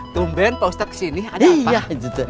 tumben pak ustadz kesini ada apa gitu